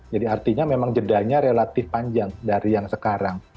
jadi artinya memang jedanya relatif panjang dari yang sekarang